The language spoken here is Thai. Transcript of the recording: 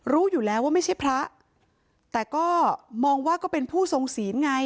รู้อยู่แล้วว่าไม่ใช่พระแต่ก็มองว่าก็เป็นผู้ทรงศีลไง